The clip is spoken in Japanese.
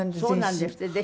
そうなんですって。